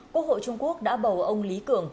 quốc hội trung quốc đã bầu ông lý cường